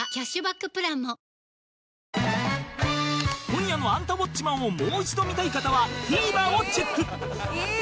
今夜の『アンタウォッチマン！』をもう一度見たい方は ＴＶｅｒ をチェック